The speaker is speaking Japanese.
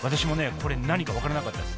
これ何か分からなかったです。